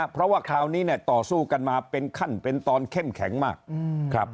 เพราะว่าคราวนี้เนี่ยต่อสู้กันมาเป็นขั้นเป็นตอนเข้มแข็งมากครับ